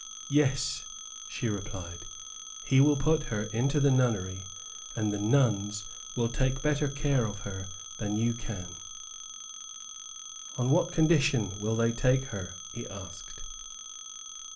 "Yes," she replied, "he will put her into the nunnery, and the nuns will take better care of her than you can." "On what condition will they take her?" he asked.